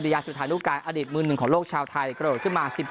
ยาศิลทานุกราชอดิบมือหนึ่งของโลกชาวไทยก็เรา